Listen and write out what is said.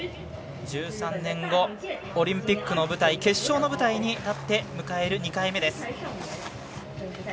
１３年後、オリンピックの舞台決勝の舞台に立って迎える２回目です。